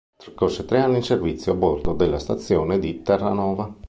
Trascorse tre anni in servizio a bordo della Stazione di Terranova.